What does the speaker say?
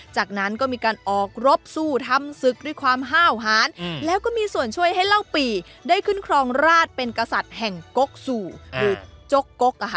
จากนั้นก็มีการออกรบสู้ทำศึกด้วยความห้าวหานแล้วก็มีส่วนช่วยให้เล่าปี่ได้ขึ้นครองราชเป็นกษัตริย์แห่งกกสู่หรือจกก